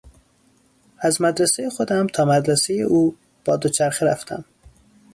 از مدرسه خودم تا مدرسهٔ او با دوچرخه رفتم